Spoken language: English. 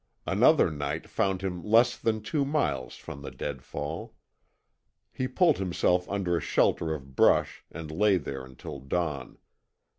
Another night found him less than two miles from the deadfall. He pulled himself under a shelter of brush and lay there until dawn.